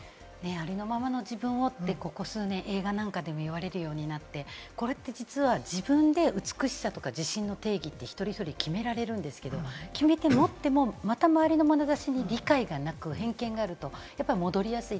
「ありのままの自分を」って、ここ数年、映画でも言われるようになって、これって実は自分で美しさとか自信の定義って一人一人、決められるんですけど決めて、周りのまなざしに理解がなく偏見があると、戻りやすい。